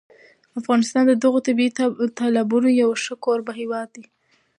افغانستان د دغو طبیعي تالابونو یو ښه کوربه هېواد دی.